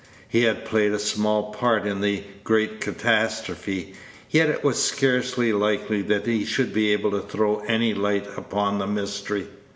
He had played a small part in the great catastrophe, yet it was scarcely likely that he should be able to throw any light upon the mystery.